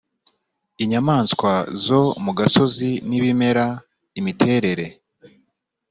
inyamaswa zo mu gasozi n ibimera imiterere